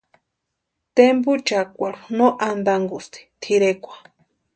Tempuchakwarhu no antankusti tʼirekwa.